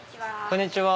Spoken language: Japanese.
こんにちは。